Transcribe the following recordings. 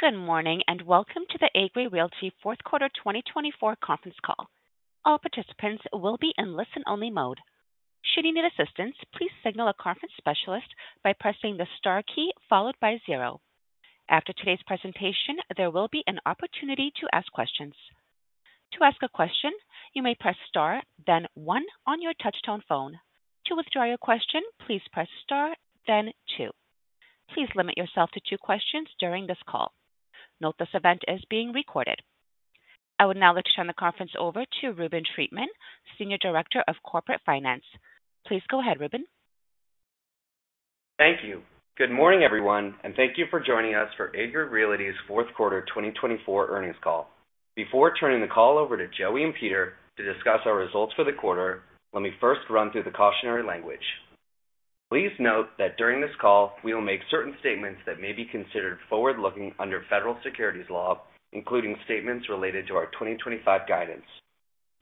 Good morning and welcome to the Agree Realty Fourth Quarter 2024 conference call. All participants will be in listen-only mode. Should you need assistance, please signal a conference specialist by pressing the star key followed by zero. After today's presentation, there will be an opportunity to ask questions. To ask a question, you may press star, then one on your touch-tone phone. To withdraw your question, please press star, then two. Please limit yourself to two questions during this call. Note this event is being recorded. I would now like to turn the conference over to Reuben Treatman, Senior Director of Corporate Finance. Please go ahead, Reuben. Thank you. Good morning, everyone, and thank you for joining us for Agree Realty's Fourth Quarter 2024 earnings call. Before turning the call over to Joey and Peter to discuss our results for the quarter, let me first run through the cautionary language. Please note that during this call, we will make certain statements that may be considered forward-looking under federal securities law, including statements related to our 2025 guidance.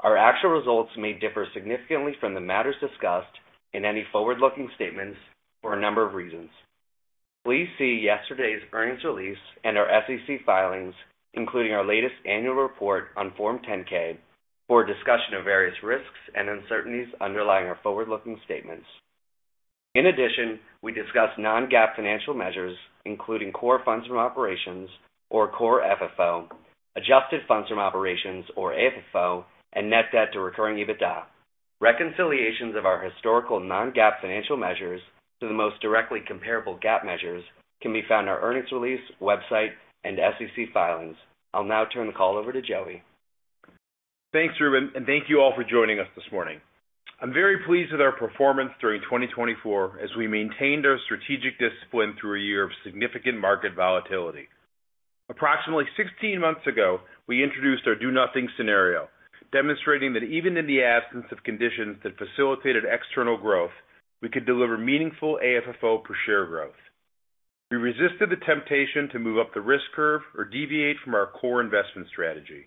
Our actual results may differ significantly from the matters discussed in any forward-looking statements for a number of reasons. Please see yesterday's earnings release and our SEC filings, including our latest annual report on Form 10-K, for a discussion of various risks and uncertainties underlying our forward-looking statements. In addition, we discussed non-GAAP financial measures, including core funds from operations, or core FFO, adjusted funds from operations, or AFFO, and net debt to recurring EBITDA. Reconciliations of our historical non-GAAP financial measures to the most directly comparable GAAP measures can be found in our earnings release, website, and SEC filings. I'll now turn the call over to Joey. Thanks, Reuben, and thank you all for joining us this morning. I'm very pleased with our performance during 2024 as we maintained our strategic discipline through a year of significant market volatility. Approximately 16 months ago, we introduced our do-nothing scenario, demonstrating that even in the absence of conditions that facilitated external growth, we could deliver meaningful AFFO per share growth. We resisted the temptation to move up the risk curve or deviate from our core investment strategy.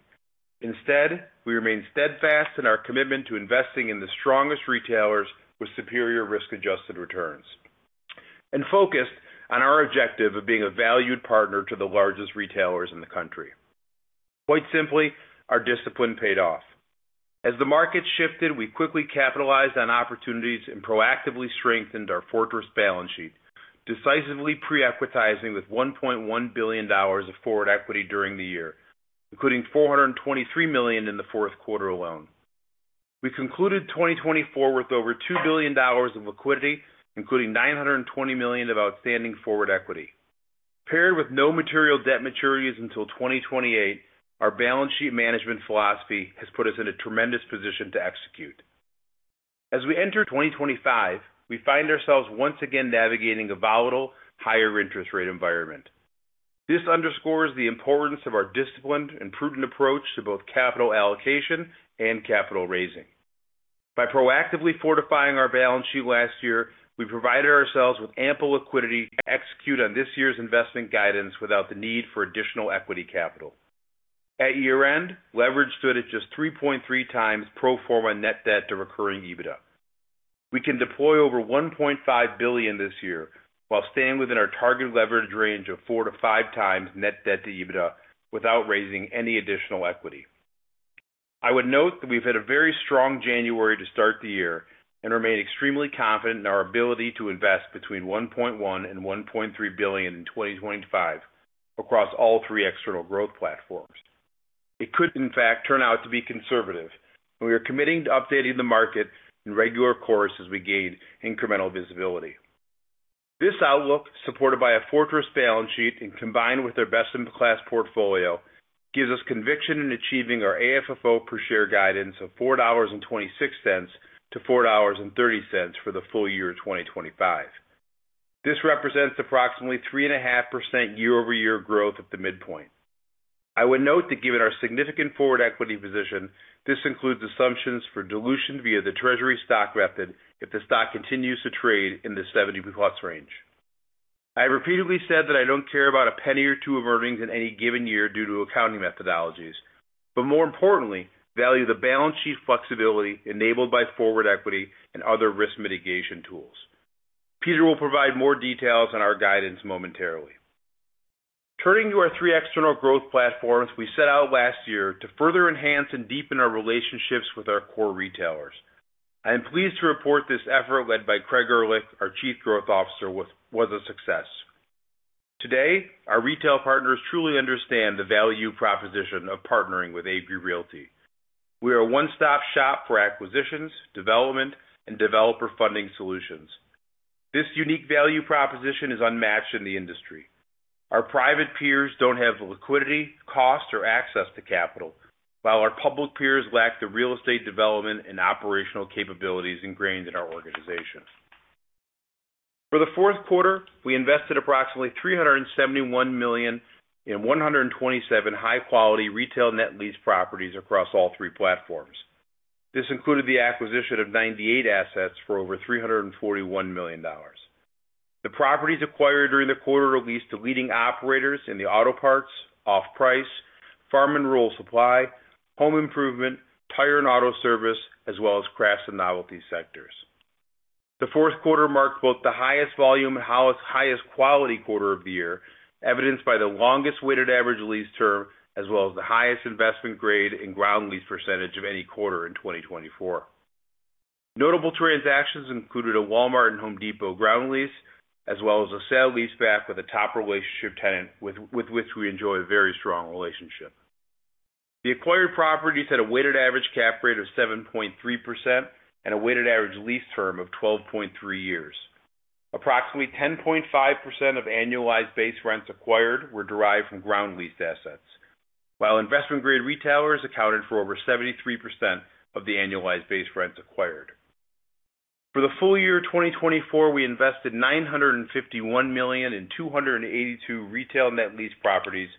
Instead, we remained steadfast in our commitment to investing in the strongest retailers with superior risk-adjusted returns and focused on our objective of being a valued partner to the largest retailers in the country. Quite simply, our discipline paid off. As the market shifted, we quickly capitalized on opportunities and proactively strengthened our fortress balance sheet, decisively pre-equitizing with $1.1 billion of forward equity during the year, including $423 million in the fourth quarter alone. We concluded 2024 with over $2 billion of liquidity, including $920 million of outstanding forward equity. Paired with no material debt maturities until 2028, our balance sheet management philosophy has put us in a tremendous position to execute. As we enter 2025, we find ourselves once again navigating a volatile, higher interest rate environment. This underscores the importance of our disciplined and prudent approach to both capital allocation and capital raising. By proactively fortifying our balance sheet last year, we provided ourselves with ample liquidity to execute on this year's investment guidance without the need for additional equity capital. At year-end, leverage stood at just 3.3 times pro forma net debt to recurring EBITDA. We can deploy over $1.5 billion this year while staying within our target leverage range of four to five times net debt to EBITDA without raising any additional equity. I would note that we've had a very strong January to start the year and remain extremely confident in our ability to invest between $1.1 and $1.3 billion in 2025 across all three external growth platforms. It could, in fact, turn out to be conservative, and we are committing to updating the market in regular course as we gain incremental visibility. This outlook, supported by a fortress balance sheet and combined with our best-in-class portfolio, gives us conviction in achieving our AFFO per share guidance of $4.26-$4.30 for the full year of 2025. This represents approximately 3.5% year-over-year growth at the midpoint. I would note that given our significant forward equity position, this includes assumptions for dilution via the treasury stock method if the stock continues to trade in the 70-plus range. I have repeatedly said that I don't care about a penny or two of earnings in any given year due to accounting methodologies, but more importantly, value the balance sheet flexibility enabled by forward equity and other risk mitigation tools. Peter will provide more details on our guidance momentarily. Turning to our three external growth platforms we set out last year to further enhance and deepen our relationships with our core retailers, I am pleased to report this effort led by Craig Erlich, our Chief Growth Officer, was a success. Today, our retail partners truly understand the value proposition of partnering with Agree Realty. We are a one-stop shop for acquisitions, development, and developer funding solutions. This unique value proposition is unmatched in the industry. Our private peers don't have the liquidity, cost, or access to capital, while our public peers lack the real estate development and operational capabilities ingrained in our organization. For the fourth quarter, we invested approximately $371 million in 127 high-quality retail net lease properties across all three platforms. This included the acquisition of 98 assets for over $341 million. The properties acquired during the quarter leased to leading operators in the auto parts, off-price, farm and rural supply, home improvement, tire and auto service, as well as crafts and novelty sectors. The fourth quarter marked both the highest volume and highest quality quarter of the year, evidenced by the longest weighted average lease term as well as the highest investment-grade and ground lease percentage of any quarter in 2024. Notable transactions included a Walmart and Home Depot ground lease, as well as a sale lease back with a top relationship tenant with which we enjoy a very strong relationship. The acquired properties had a weighted average cap rate of 7.3% and a weighted average lease term of 12.3 years. Approximately 10.5% of annualized base rents acquired were derived from ground leased assets, while investment-grade retailers accounted for over 73% of the annualized base rents acquired. For the full year of 2024, we invested $951 million in 282 retail net lease properties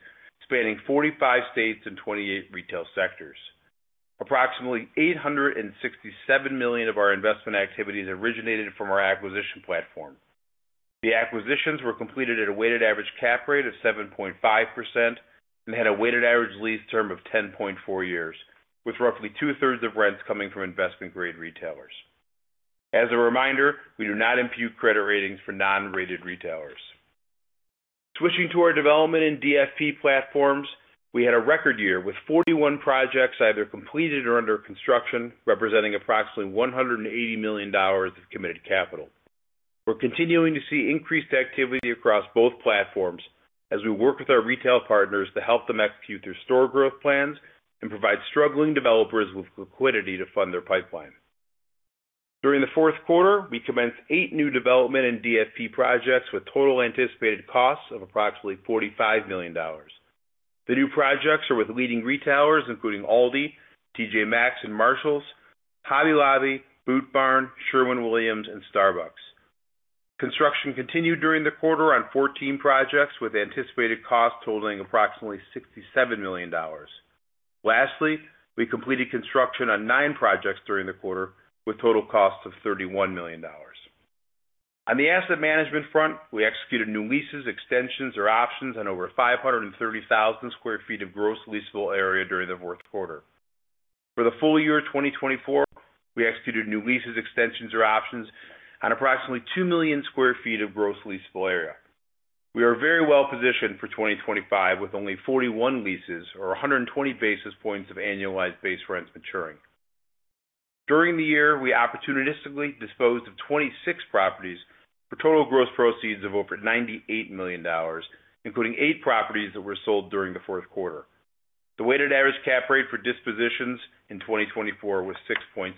spanning 45 states and 28 retail sectors. Approximately $867 million of our investment activities originated from our acquisition platform. The acquisitions were completed at a weighted average cap rate of 7.5% and had a weighted average lease term of 10.4 years, with roughly two-thirds of rents coming from investment-grade retailers. As a reminder, we do not impute credit ratings for non-rated retailers. Switching to our development and DFP platforms, we had a record year with 41 projects either completed or under construction, representing approximately $180 million of committed capital. We're continuing to see increased activity across both platforms as we work with our retail partners to help them execute their store growth plans and provide struggling developers with liquidity to fund their pipeline. During the fourth quarter, we commenced eight new development and DFP projects with total anticipated costs of approximately $45 million. The new projects are with leading retailers, including Aldi, TJ Maxx, and Marshalls, Hobby Lobby, Boot Barn, Sherwin-Williams, and Starbucks. Construction continued during the quarter on 14 projects with anticipated costs totaling approximately $67 million. Lastly, we completed construction on nine projects during the quarter with total costs of $31 million. On the asset management front, we executed new leases, extensions, or options on over 530,000 sq ft of gross leasable area during the fourth quarter. For the full year of 2024, we executed new leases, extensions, or options on approximately 2 million sq ft of gross leasable area. We are very well positioned for 2025 with only 41 leases or 120 basis points of annualized base rents maturing. During the year, we opportunistically disposed of 26 properties for total gross proceeds of over $98 million, including eight properties that were sold during the fourth quarter. The weighted average cap rate for dispositions in 2024 was 6.7%.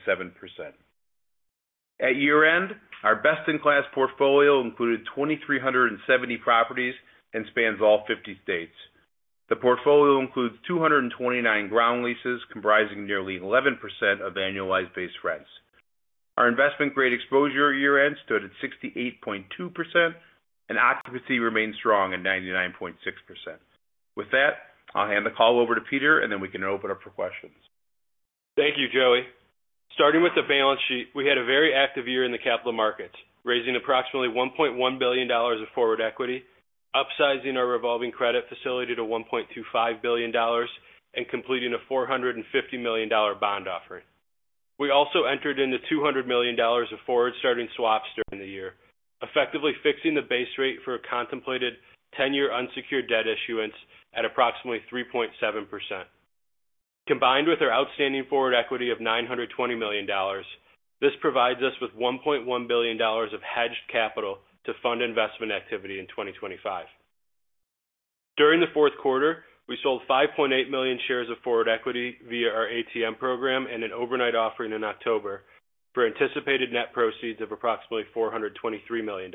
At year-end, our best-in-class portfolio included 2,370 properties and spans all 50 states. The portfolio includes 229 ground leases, comprising nearly 11% of annualized base rents. Our investment-grade exposure year-end stood at 68.2%, and occupancy remained strong at 99.6%. With that, I'll hand the call over to Peter, and then we can open up for questions. Thank you, Joey. Starting with the balance sheet, we had a very active year in the capital markets, raising approximately $1.1 billion of forward equity, upsizing our revolving credit facility to $1.25 billion, and completing a $450 million bond offering. We also entered into $200 million of forward-starting swaps during the year, effectively fixing the base rate for contemplated 10-year unsecured debt issuance at approximately 3.7%. Combined with our outstanding forward equity of $920 million, this provides us with $1.1 billion of hedged capital to fund investment activity in 2025. During the fourth quarter, we sold 5.8 million shares of forward equity via our ATM program and an overnight offering in October for anticipated net proceeds of approximately $423 million.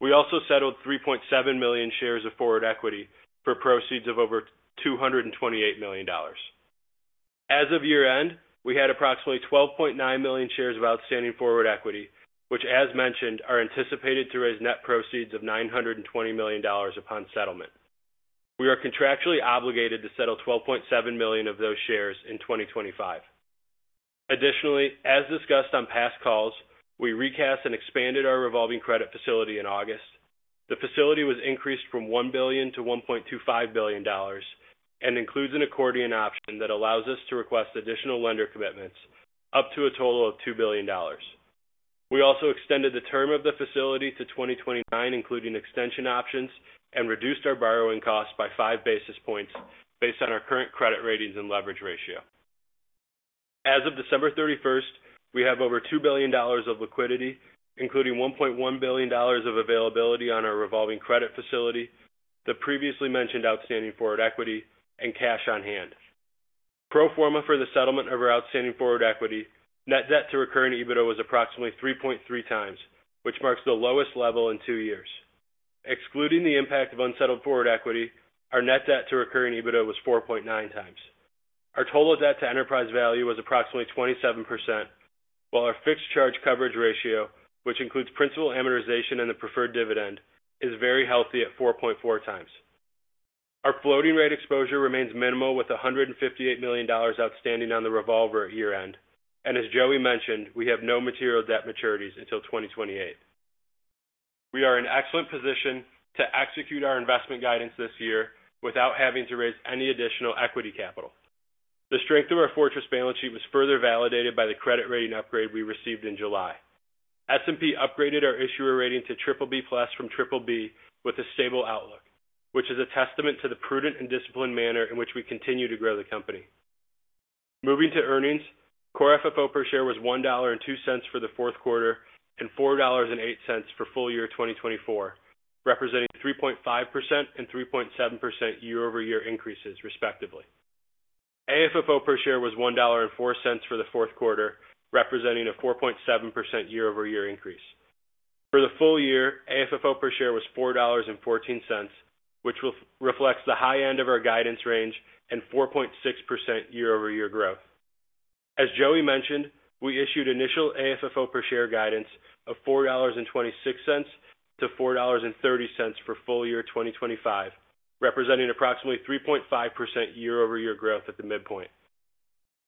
We also settled 3.7 million shares of forward equity for proceeds of over $228 million. As of year-end, we had approximately 12.9 million shares of outstanding forward equity, which, as mentioned, are anticipated to raise net proceeds of $920 million upon settlement. We are contractually obligated to settle 12.7 million of those shares in 2025. Additionally, as discussed on past calls, we recast and expanded our revolving credit facility in August. The facility was increased from $1 billion to $1.25 billion and includes an accordion option that allows us to request additional lender commitments up to a total of $2 billion. We also extended the term of the facility to 2029, including extension options, and reduced our borrowing costs by five basis points based on our current credit ratings and leverage ratio. As of December 31st, we have over $2 billion of liquidity, including $1.1 billion of availability on our revolving credit facility, the previously mentioned outstanding forward equity, and cash on hand. Pro forma for the settlement of our outstanding forward equity, net debt to recurring EBITDA was approximately 3.3 times, which marks the lowest level in two years. Excluding the impact of unsettled forward equity, our net debt to recurring EBITDA was 4.9 times. Our total debt to enterprise value was approximately 27%, while our fixed charge coverage ratio, which includes principal amortization and the preferred dividend, is very healthy at 4.4 times. Our floating rate exposure remains minimal with $158 million outstanding on the revolver at year-end, and as Joey mentioned, we have no material debt maturities until 2028. We are in excellent position to execute our investment guidance this year without having to raise any additional equity capital. The strength of our fortress balance sheet was further validated by the credit rating upgrade we received in July. S&P upgraded our issuer rating to BBB plus from BBB with a stable outlook, which is a testament to the prudent and disciplined manner in which we continue to grow the company. Moving to earnings, core FFO per share was $1.02 for the fourth quarter and $4.08 for full year 2024, representing 3.5% and 3.7% year-over-year increases, respectively. AFFO per share was $1.04 for the fourth quarter, representing a 4.7% year-over-year increase. For the full year, AFFO per share was $4.14, which reflects the high end of our guidance range and 4.6% year-over-year growth. As Joey mentioned, we issued initial AFFO per share guidance of $4.26 to $4.30 for full year 2025, representing approximately 3.5% year-over-year growth at the midpoint.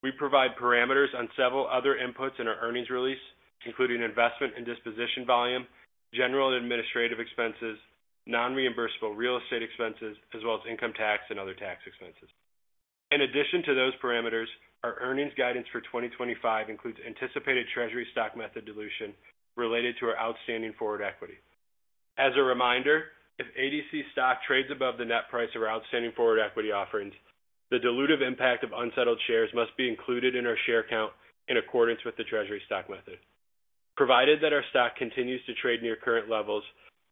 We provide parameters on several other inputs in our earnings release, including investment and disposition volume, general and administrative expenses, non-reimbursable real estate expenses, as well as income tax and other tax expenses. In addition to those parameters, our earnings guidance for 2025 includes anticipated treasury stock method dilution related to our outstanding forward equity. As a reminder, if ADC stock trades above the net price of our outstanding forward equity offerings, the dilutive impact of unsettled shares must be included in our share count in accordance with the treasury stock method. Provided that our stock continues to trade near current levels,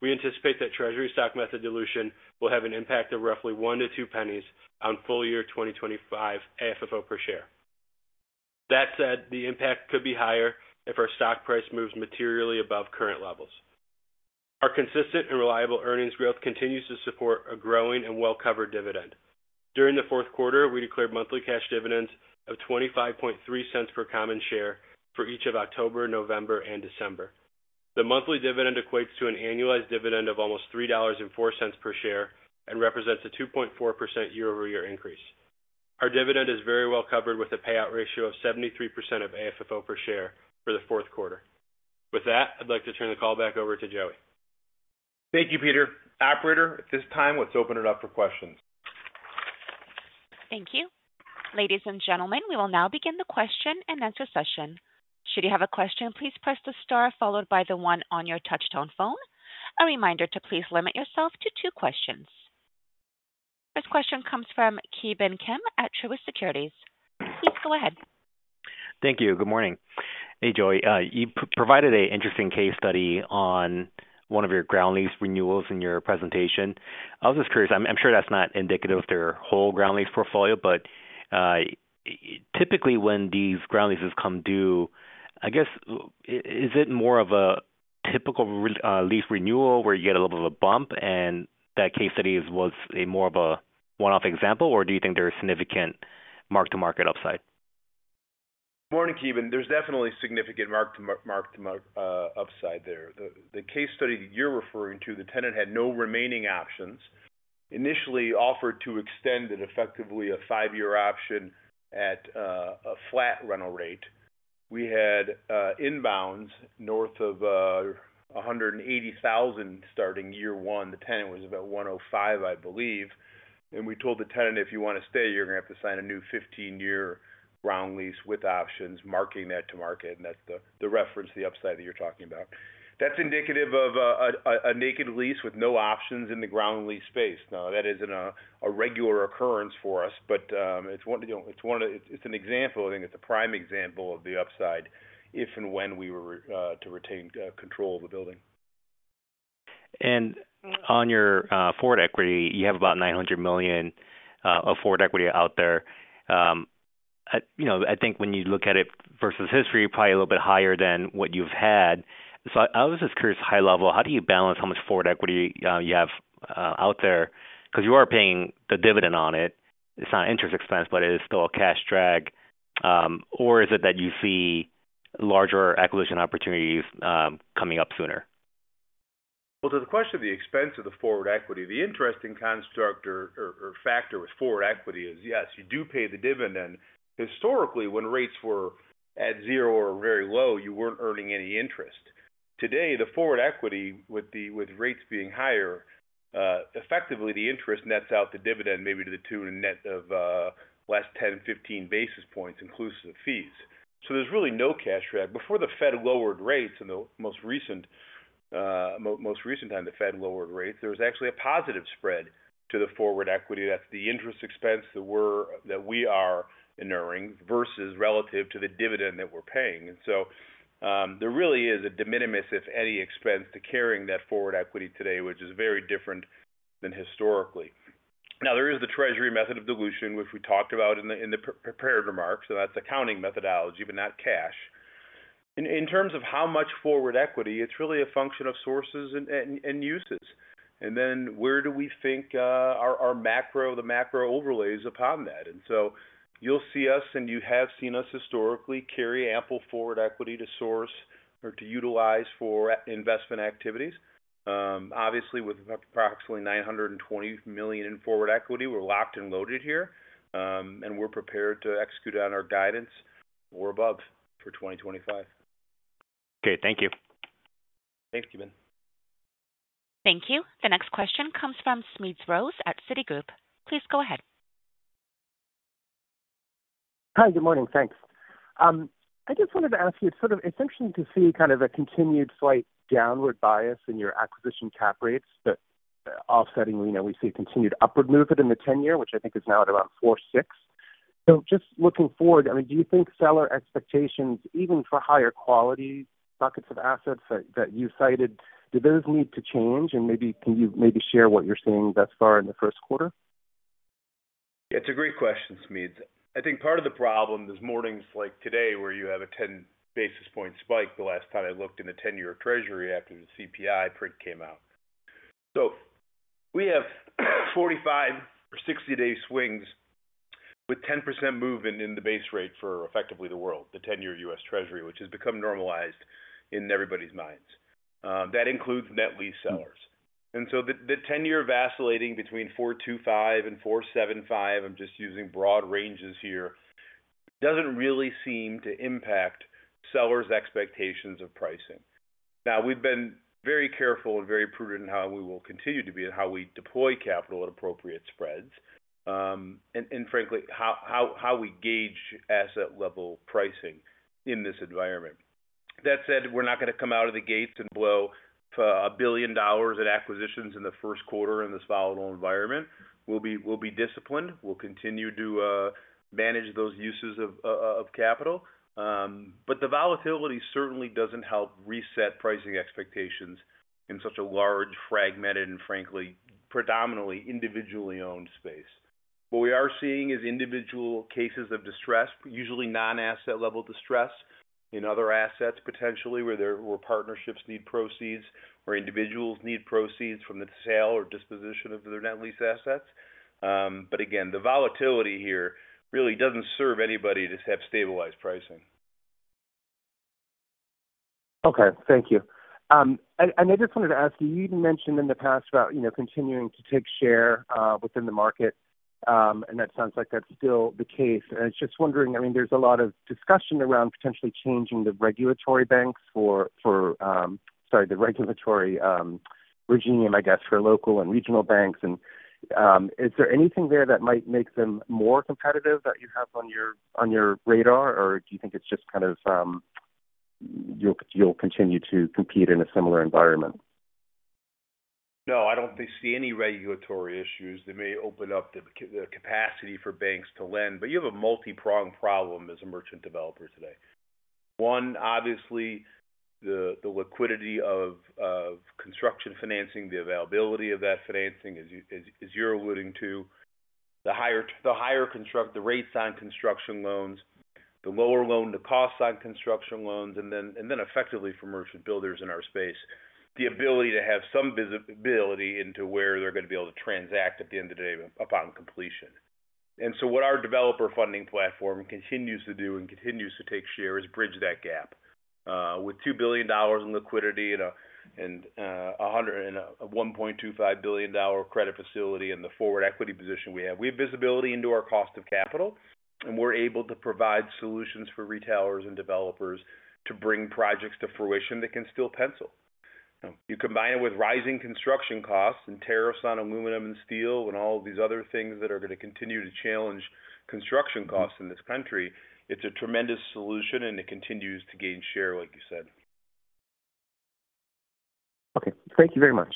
we anticipate that treasury stock method dilution will have an impact of roughly $0.01-$0.02 on full year 2025 AFFO per share. That said, the impact could be higher if our stock price moves materially above current levels. Our consistent and reliable earnings growth continues to support a growing and well-covered dividend. During the fourth quarter, we declared monthly cash dividends of $0.253 per common share for each of October, November, and December. The monthly dividend equates to an annualized dividend of almost $3.04 per share and represents a 2.4% year-over-year increase. Our dividend is very well covered with a payout ratio of 73% of AFFO per share for the fourth quarter. With that, I'd like to turn the call back over to Joey. Thank you, Peter. Operator, at this time, let's open it up for questions. Thank you. Ladies and gentlemen, we will now begin the question and answer session. Should you have a question, please press the star followed by the one on your touch-tone phone. A reminder to please limit yourself to two questions. This question comes from Ki Bin Kim at Truist Securities. Please go ahead. Thank you. Good morning. Hey, Joey. You provided an interesting case study on one of your ground lease renewals in your presentation. I was just curious. I'm sure that's not indicative of their whole ground lease portfolio, but typically when these ground leases come due, I guess, is it more of a typical lease renewal where you get a little bit of a bump, and that case study was more of a one-off example, or do you think there is significant mark-to-market upside? Good morning, Ki Bin. There's definitely significant mark-to-market upside there. The case study that you're referring to, the tenant had no remaining options. Initially offered to extend it effectively a five-year option at a flat rental rate. We had inbounds north of $180,000 starting year one. The tenant was about $105, I believe, and we told the tenant, if you want to stay, you're going to have to sign a new 15-year ground lease with options, marking that to market, and that's the reference, the upside that you're talking about. That's indicative of a naked lease with no options in the ground lease space. Now, that isn't a regular occurrence for us, but it's an example. I think it's a prime example of the upside if and when we were to retain control of the building. And on your forward equity, you have about $900 million of forward equity out there. I think when you look at it versus history, probably a little bit higher than what you've had. So I was just curious, high level, how do you balance how much forward equity you have out there? Because you are paying the dividend on it. It's not interest expense, but it is still a cash drag. Or is it that you see larger acquisition opportunities coming up sooner? To the question of the expense of the forward equity, the interesting construct or factor with forward equity is, yes, you do pay the dividend. Historically, when rates were at zero or very low, you weren't earning any interest. Today, the forward equity, with rates being higher, effectively the interest nets out the dividend maybe to the tune of net of less 10, 15 basis points, inclusive of fees. So there's really no cash drag. Before the Fed lowered rates, in the most recent time, the Fed lowered rates, there was actually a positive spread to the forward equity. That's the interest expense that we are incurring versus relative to the dividend that we're paying. And so there really is a de minimis, if any, expense to carrying that forward equity today, which is very different than historically. Now, there is the treasury method of dilution, which we talked about in the prepared remarks, and that's accounting methodology, but not cash. In terms of how much forward equity, it's really a function of sources and uses. And then where do we think the macro overlays upon that? And so you'll see us, and you have seen us historically carry ample forward equity to source or to utilize for investment activities. Obviously, with approximately $920 million in forward equity, we're locked and loaded here, and we're prepared to execute on our guidance or above for 2025. Okay. Thank you. Thanks, Keeban. Thank you. The next question comes from Smedes Rose at Citigroup. Please go ahead. Hi, good morning. Thanks. I just wanted to ask you, it's interesting to see kind of a continued slight downward bias in your acquisition cap rates, but offsetting, we see a continued upward movement in the 10-year, which I think is now at around 4.6. So just looking forward, I mean, do you think seller expectations, even for higher quality buckets of assets that you cited, do those need to change? And maybe can you maybe share what you're seeing thus far in the first quarter? Yeah, it's a great question, Smedes. I think part of the problem is mornings like today where you have a 10 basis point spike the last time I looked in the 10-year Treasury after the CPI print came out. So we have 45- or 60-day swings with 10% movement in the base rate for effectively the world, the 10-year U.S. Treasury, which has become normalized in everybody's minds. That includes net lease sellers. And so the 10-year vacillating between 4.25% and 4.75%, I'm just using broad ranges here, doesn't really seem to impact sellers' expectations of pricing. Now, we've been very careful and very prudent in how we will continue to be and how we deploy capital at appropriate spreads and, frankly, how we gauge asset-level pricing in this environment. That said, we're not going to come out of the gates and blow $1 billion in acquisitions in the first quarter in this volatile environment. We'll be disciplined. We'll continue to manage those uses of capital. But the volatility certainly doesn't help reset pricing expectations in such a large, fragmented, and frankly, predominantly individually owned space. What we are seeing is individual cases of distress, usually non-asset-level distress in other assets potentially where partnerships need proceeds or individuals need proceeds from the sale or disposition of their net lease assets. But again, the volatility here really doesn't serve anybody to have stabilized pricing. Okay. Thank you. And I just wanted to ask you, you'd mentioned in the past about continuing to take share within the market, and that sounds like that's still the case. And I was just wondering, I mean, there's a lot of discussion around potentially changing the regulatory banks for, sorry, the regulatory regime, I guess, for local and regional banks. And is there anything there that might make them more competitive that you have on your radar, or do you think it's just kind of you'll continue to compete in a similar environment? No, I don't think I see any regulatory issues. They may open up the capacity for banks to lend, but you have a multi-pronged problem as a merchant developer today. One, obviously, the liquidity of construction financing, the availability of that financing, as you're alluding to, the higher rates on construction loans, the lower loan-to-cost on construction loans, and then effectively for merchant builders in our space, the ability to have some visibility into where they're going to be able to transact at the end of the day upon completion. And so what our developer funding platform continues to do and continues to take share is bridge that gap with $2 billion in liquidity and a $1.25 billion credit facility and the forward equity position we have. We have visibility into our cost of capital, and we're able to provide solutions for retailers and developers to bring projects to fruition that can still pencil. You combine it with rising construction costs and tariffs on aluminum and steel and all of these other things that are going to continue to challenge construction costs in this country. It's a tremendous solution, and it continues to gain share, like you said. Okay. Thank you very much.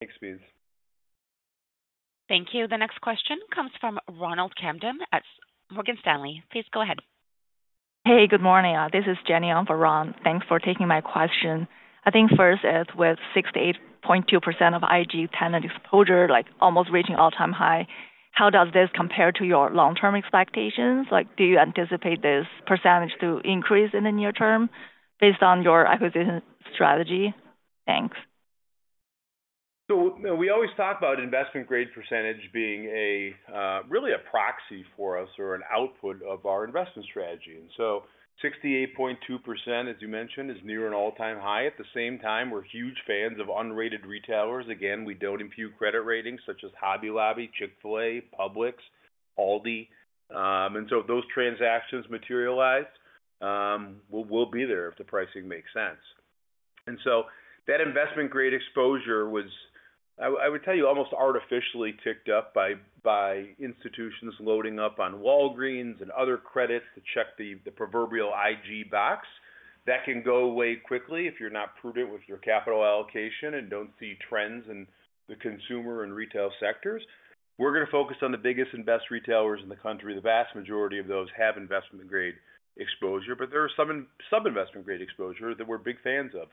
Thanks, Smeets. Thank you. The next question comes from Ronald Kamden at Morgan Stanley. Please go ahead. Hey, good morning. This is Jenny on for Ron. Thanks for taking my question. I think first, with 68.2% of IG tenant exposure almost reaching all-time high, how does this compare to your long-term expectations? Do you anticipate this percentage to increase in the near term based on your acquisition strategy? Thanks. We always talk about investment-grade percentage being really a proxy for us or an output of our investment strategy. 68.2%, as you mentioned, is near an all-time high. At the same time, we're huge fans of unrated retailers. Again, we don't impute credit ratings such as Hobby Lobby, Chick-fil-A, Publix, Aldi. If those transactions materialize, we'll be there if the pricing makes sense. That investment-grade exposure was, I would tell you, almost artificially ticked up by institutions loading up on Walgreens and other credits to check the proverbial IG box. That can go away quickly if you're not prudent with your capital allocation and don't see trends in the consumer and retail sectors. We're going to focus on the biggest and best retailers in the country. The vast majority of those have investment-grade exposure, but there are some investment-grade exposure that we're big fans of.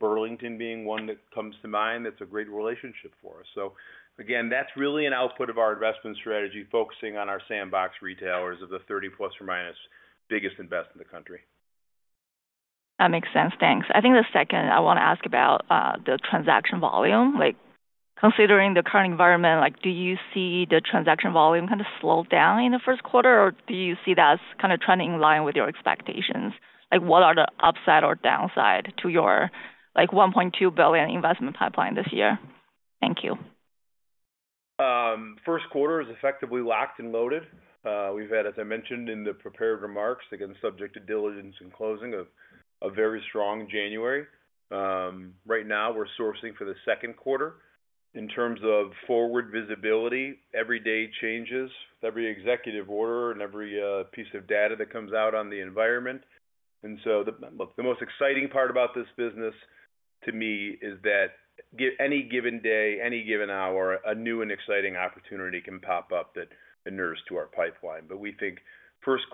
Burlington being one that comes to mind, that's a great relationship for us. So again, that's really an output of our investment strategy focusing on our sandbox retailers of the 30-plus or minus biggest retailers in the country. That makes sense. Thanks. I think the second I want to ask about the transaction volume. Considering the current environment, do you see the transaction volume kind of slowed down in the first quarter, or do you see that's kind of trending in line with your expectations? What are the upside or downside to your $1.2 billion investment pipeline this year? Thank you. First quarter is effectively locked and loaded. We've had, as I mentioned in the prepared remarks, again, subject to diligence and closing, a very strong January. Right now, we're sourcing for the second quarter. In terms of forward visibility, every day changes. Every executive order and every piece of data that comes out on the environment. And so the most exciting part about this business to me is that any given day, any given hour, a new and exciting opportunity can pop up that inures to our pipeline. But we think first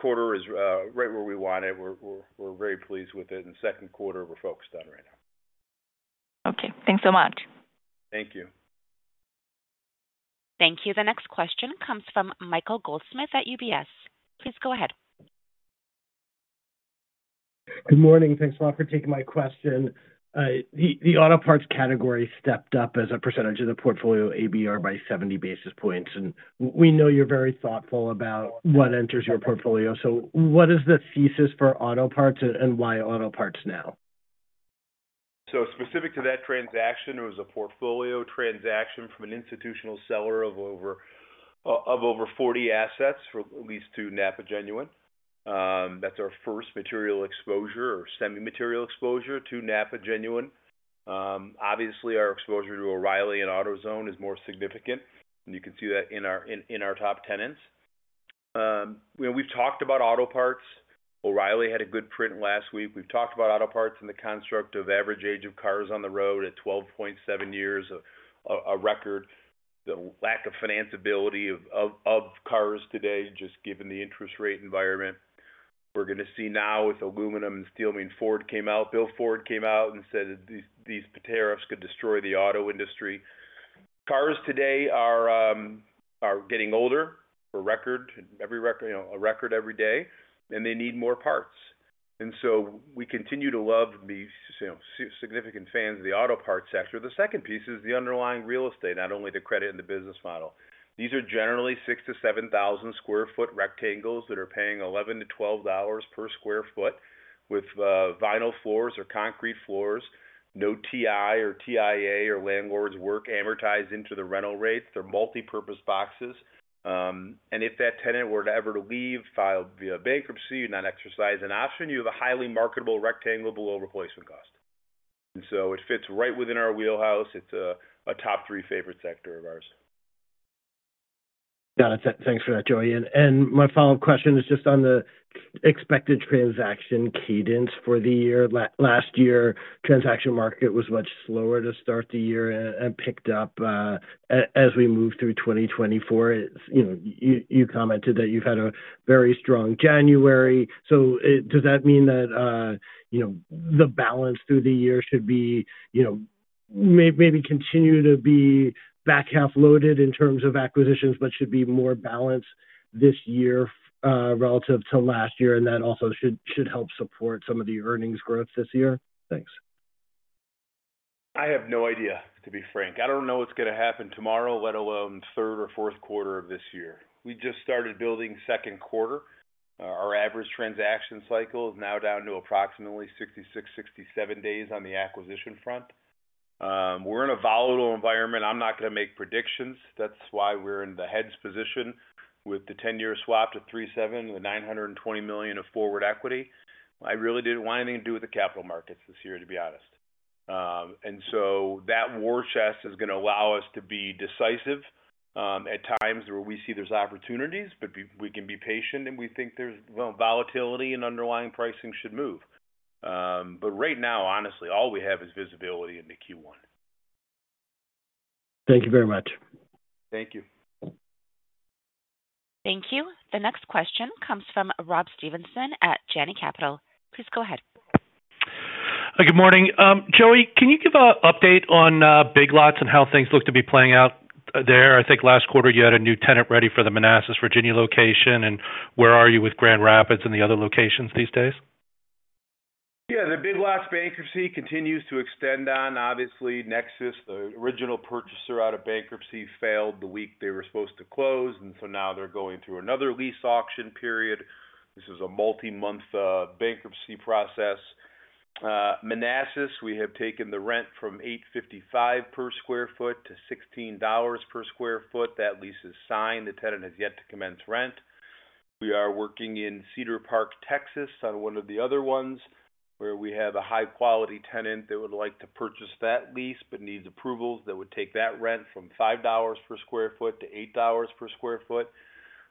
quarter is right where we want it. We're very pleased with it. And second quarter, we're focused on right now. Okay. Thanks so much. Thank you. Thank you. The next question comes from Michael Goldsmith at UBS. Please go ahead. Good morning. Thanks a lot for taking my question. The auto parts category stepped up as a percentage of the portfolio ABR by 70 basis points. And we know you're very thoughtful about what enters your portfolio. So what is the thesis for auto parts and why auto parts now? Specific to that transaction, it was a portfolio transaction from an institutional seller of over 40 assets for at least two NAPA Genuine. That's our first material exposure or semi-material exposure to NAPA Genuine. Obviously, our exposure to O'Reilly and AutoZone is more significant. And you can see that in our top tenants. We've talked about auto parts. O'Reilly had a good print last week. We've talked about auto parts and the construct of average age of cars on the road at 12.7 years, a record. The lack of financeability of cars today, just given the interest rate environment. We're going to see now with aluminum and steel. I mean, Ford came out, Bill Ford came out and said these tariffs could destroy the auto industry. Cars today are getting older for record, a record every day, and they need more parts. And so we continue to love and be significant fans of the auto parts sector. The second piece is the underlying real estate, not only the credit and the business model. These are generally 6,000-7,000 sq ft rectangles that are paying $11-$12 per sq ft with vinyl floors or concrete floors. No TI or TIA or landlords work amortized into the rental rates. They're multipurpose boxes. And if that tenant were to ever leave, file for bankruptcy, you're not exercising an option. You have a highly marketable rectangle below replacement cost. And so it fits right within our wheelhouse. It's a top three favorite sector of ours. Got it. Thanks for that, Joey. And my follow-up question is just on the expected transaction cadence for the year. Last year, transaction market was much slower to start the year and picked up as we move through 2024. You commented that you've had a very strong January. So does that mean that the balance through the year should be maybe continue to be back half loaded in terms of acquisitions, but should be more balanced this year relative to last year? And that also should help support some of the earnings growth this year? Thanks. I have no idea, to be frank. I don't know what's going to happen tomorrow, let alone third or fourth quarter of this year. We just started building second quarter. Our average transaction cycle is now down to approximately 66, 67 days on the acquisition front. We're in a volatile environment. I'm not going to make predictions. That's why we're in the hedged position with the 10-year swap to 3.7 and the $920 million of forward equity. I really didn't want anything to do with the capital markets this year, to be honest. And so that war chest is going to allow us to be decisive at times where we see there's opportunities, but we can be patient and we think there's volatility and underlying pricing should move. But right now, honestly, all we have is visibility into Q1. Thank you very much. Thank you. Thank you. The next question comes from Rob Stevenson at Janney Montgomery Scott. Please go ahead. Good morning. Joey, can you give an update on Big Lots and how things look to be playing out there? I think last quarter you had a new tenant ready for the Manassas, Virginia location, and where are you with Grand Rapids and the other locations these days? Yeah. The Big Lots bankruptcy continues to extend on, obviously, Nexus, the original purchaser out of bankruptcy, failed the week they were supposed to close. And so now they're going through another lease auction period. This is a multi-month bankruptcy process. Manassas, we have taken the rent from $8.55 per sq ft to $16 per sq ft. That lease is signed. The tenant has yet to commence rent. We are working in Cedar Park, Texas, on one of the other ones where we have a high-quality tenant that would like to purchase that lease but needs approvals that would take that rent from $5 per sq ft to $8 per sq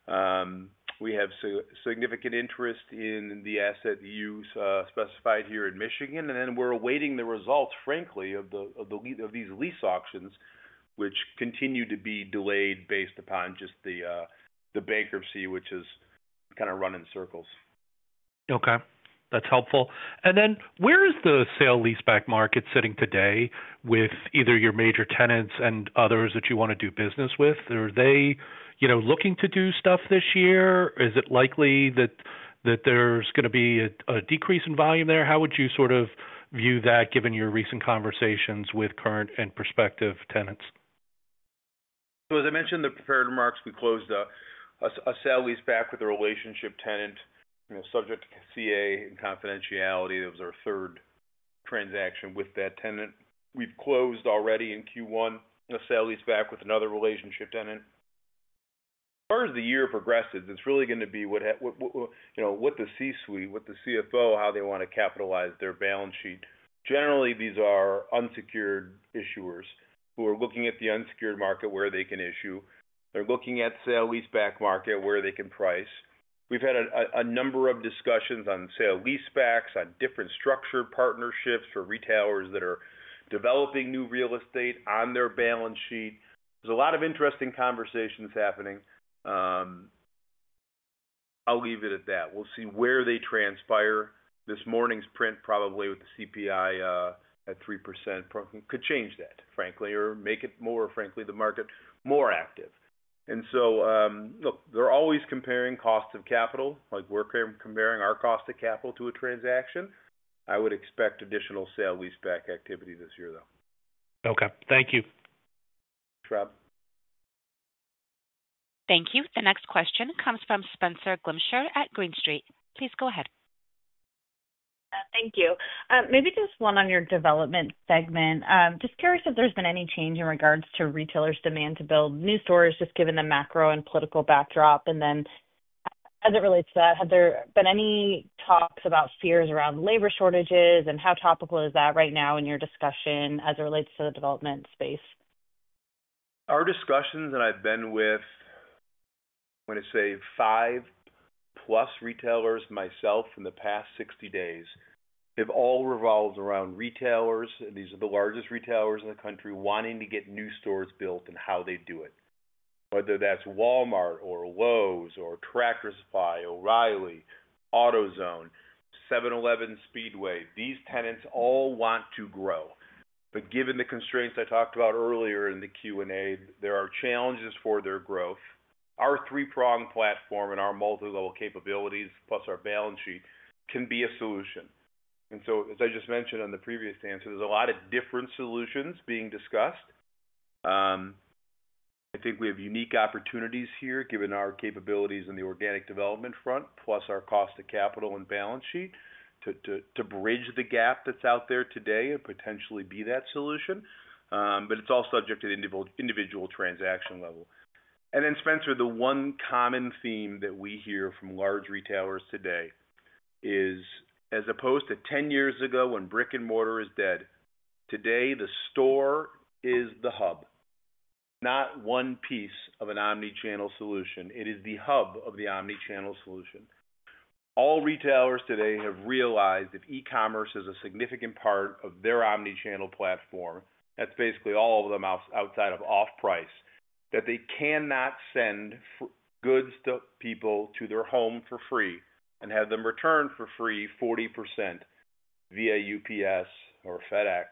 ft. We have significant interest in the asset use specified here in Michigan. And then we're awaiting the results, frankly, of these lease auctions, which continue to be delayed based upon just the bankruptcy, which is kind of running circles. Okay. That's helpful. And then where is the sale-leaseback market sitting today with either your major tenants and others that you want to do business with? Are they looking to do stuff this year? Is it likely that there's going to be a decrease in volume there? How would you sort of view that given your recent conversations with current and prospective tenants? So as I mentioned in the prepared remarks, we closed a sale-leaseback with a relationship tenant, subject to NDA and confidentiality. That was our third transaction with that tenant. We've closed already in Q1 a sale-leaseback with another relationship tenant. As far as the year progresses, it's really going to be what the C-suite, what the CFO, how they want to capitalize their balance sheet. Generally, these are unsecured issuers who are looking at the unsecured market where they can issue. They're looking at sale-leaseback market where they can price. We've had a number of discussions on sale-leasebacks, on different structured partnerships for retailers that are developing new real estate on their balance sheet. There's a lot of interesting conversations happening. I'll leave it at that. We'll see where they transpire. This morning's print, probably with the CPI at 3%, could change that, frankly, or make it more, frankly, the market more active, and so they're always comparing cost of capital. We're comparing our cost of capital to a transaction. I would expect additional sale lease back activity this year, though. Okay. Thank you. Thanks, Rob. Thank you. The next question comes from Spenser Glimcher at Green Street. Please go ahead. Thank you. Maybe just one on your development segment. Just curious if there's been any change in regards to retailers' demand to build new stores, just given the macro and political backdrop. And then as it relates to that, have there been any talks about fears around labor shortages? And how topical is that right now in your discussion as it relates to the development space? Our discussions that I've been with, I want to say five-plus retailers myself in the past 60 days have all revolved around retailers. These are the largest retailers in the country wanting to get new stores built and how they do it. Whether that's Walmart or Lowe's or Tractor Supply, O'Reilly, AutoZone, 7-Eleven Speedway, these tenants all want to grow. But given the constraints I talked about earlier in the Q&A, there are challenges for their growth. Our three-pronged platform and our multi-level capabilities, plus our balance sheet, can be a solution. And so, as I just mentioned on the previous answer, there's a lot of different solutions being discussed. I think we have unique opportunities here, given our capabilities in the organic development front, plus our cost of capital and balance sheet, to bridge the gap that's out there today and potentially be that solution. But it's all subject to the individual transaction level. And then, Spencer, the one common theme that we hear from large retailers today is, as opposed to 10 years ago when brick and mortar is dead, today the store is the hub. It's not one piece of an omnichannel solution. It is the hub of the omnichannel solution. All retailers today have realized if e-commerce is a significant part of their omnichannel platform, that's basically all of them outside of off-price, that they cannot send goods to people to their home for free and have them return for free 40% via UPS or FedEx.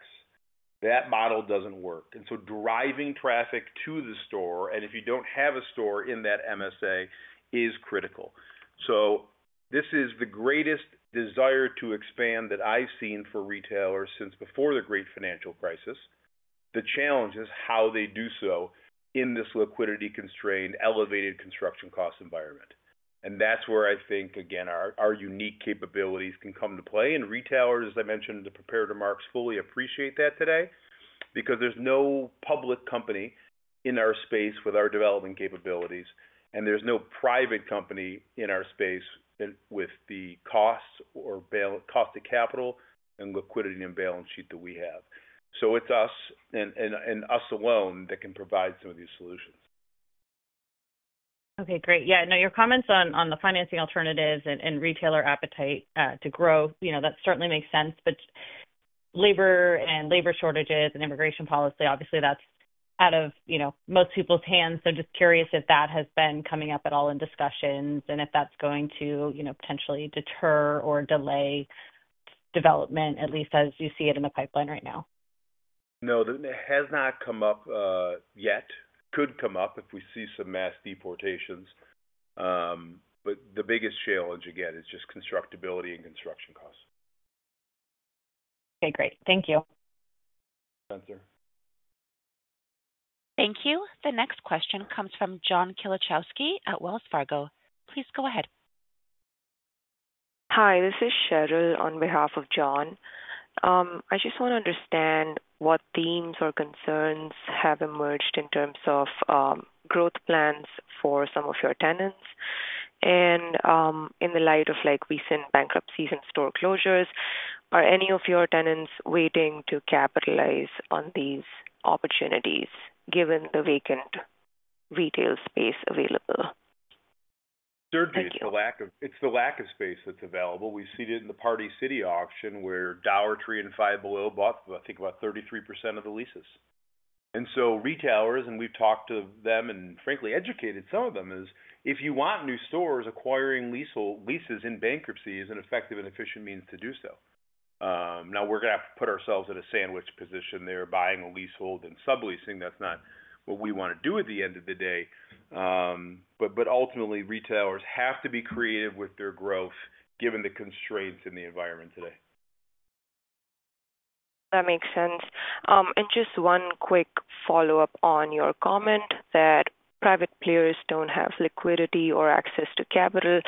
That model doesn't work. And so driving traffic to the store, and if you don't have a store in that MSA, is critical. So this is the greatest desire to expand that I've seen for retailers since before the great financial crisis. The challenge is how they do so in this liquidity-constrained, elevated construction cost environment, and that's where I think, again, our unique capabilities can come to play, and retailers, as I mentioned in the prepared remarks, fully appreciate that today because there's no public company in our space with our development capabilities, and there's no private company in our space with the cost of capital and liquidity and balance sheet that we have, so it's us and us alone that can provide some of these solutions. Okay. Great. Yeah. No, your comments on the financing alternatives and retailer appetite to grow, that certainly makes sense. But labor and labor shortages and immigration policy, obviously, that's out of most people's hands. So just curious if that has been coming up at all in discussions and if that's going to potentially deter or delay development, at least as you see it in the pipeline right now? No, it has not come up yet. Could come up if we see some mass deportations. But the biggest challenge, again, is just constructability and construction costs. Okay. Great. Thank you. Thank you. The next question comes from John Kilichowski at Wells Fargo. Please go ahead. Hi. This is Cheryl on behalf of John. I just want to understand what themes or concerns have emerged in terms of growth plans for some of your tenants. And in the light of recent bankruptcies and store closures, are any of your tenants waiting to capitalize on these opportunities given the vacant retail space available? Certainly, it's the lack of space that's available. We've seen it in the Party City auction where Dollar Tree and Five Below bought, I think, about 33% of the leases. And so retailers, and we've talked to them and frankly educated some of them, is if you want new stores, acquiring leases in bankruptcy is an effective and efficient means to do so. Now, we're going to have to put ourselves in a sandwich position there, buying a leasehold and subleasing. That's not what we want to do at the end of the day. But ultimately, retailers have to be creative with their growth given the constraints in the environment today. That makes sense. And just one quick follow-up on your comment that private players don't have liquidity or access to capital.